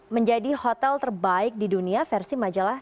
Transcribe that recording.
menjadi hotel terbaik di dunia versi majalah